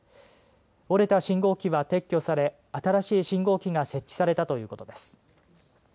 折れた信号機は撤去され新しい信号機が設置されたということです。